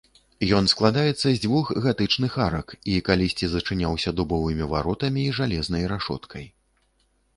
Ён складаецца з дзвюх гатычных арак, і калісьці зачыняўся дубовымі варотамі і жалезнай рашоткай.